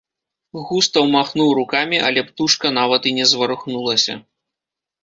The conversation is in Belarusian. Густаў махнуў рукамі, але птушка нават і не зварухнулася.